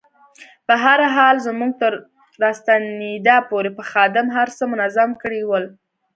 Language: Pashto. په هر حال زموږ تر راستنېدا پورې به خادم هر څه منظم کړي ول.